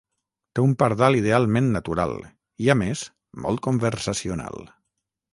Té un pardal idealment natural i, a més, molt conversacional.